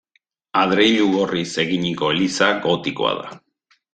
Adreilu gorriz eginiko eliza gotikoa da.